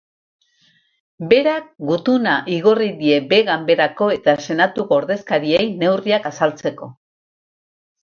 Berak gutuna igorri die Behe-Ganberako eta Senatuko ordezkariei neurriak azaltzeko.